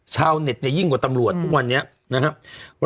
ชาวเน็ตเนี่ยยิ่งกว่าตำรวจทุกวันนี้นะครับ